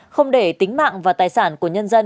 không để tính mạng và tài sản của nhân dân